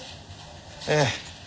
ええ。